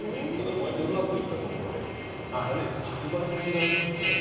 こうやってうまくいったところはいいけれども８倍も違うなんてね。